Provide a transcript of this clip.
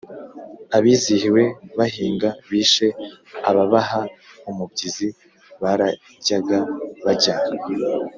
Abizihiwe bahinga Bishe ababaha umubyizi Barajyaga bajyana !